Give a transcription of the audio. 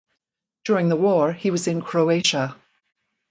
During the war he was in Croatia.